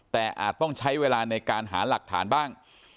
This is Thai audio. แต่อาจต้องใช้เวลาในการหาหลักฐานบ้าง